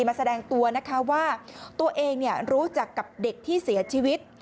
มาแสดงตัวนะคะว่าตัวเองรู้จักกับเด็กที่เสียชีวิต